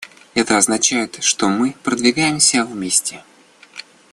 Это означает, что мы продвигаемся вместе.